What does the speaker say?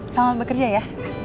sama bekerja ya